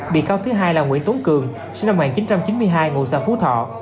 bị cáo thứ hai là nguyễn tuấn cường sinh năm một nghìn chín trăm chín mươi hai ngụ xã phú thọ